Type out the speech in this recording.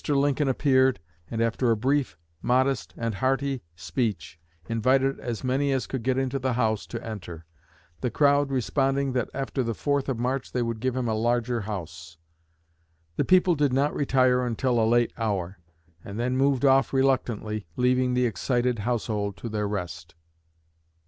Lincoln appeared, and after a brief, modest, and hearty speech, invited as many as could get into the house to enter; the crowd responding that after the fourth of March they would give him a larger house. The people did not retire until a late hour, and then moved off reluctantly, leaving the excited household to their rest."